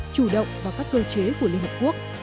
chủ động vào các cơ chế của liên hợp quốc